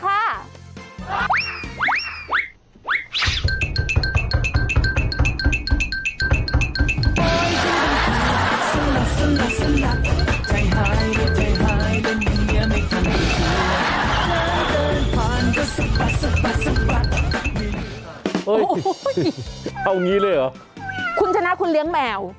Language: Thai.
เอาอย่างนี้เลยเหรอคุณชนะคุณเลี้ยงแมว